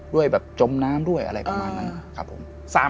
ด้วยแบบจมน้ำด้วยอะไรประมาณนั้นครับผม